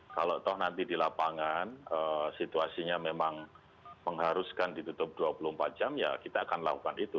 kalau toh nanti di lapangan situasinya memang mengharuskan ditutup dua puluh empat jam ya kita akan lakukan itu